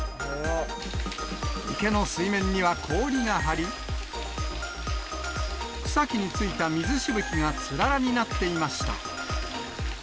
池の水面には氷が張り、草木についた水しぶきがつららになっていました。